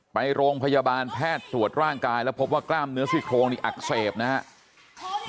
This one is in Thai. ไปโรงพยาบาลแพทย์ตรวจร่างกายแล้วพบว่ากล้ามเนื้อซี่โครงนี่อักเสบนะครับ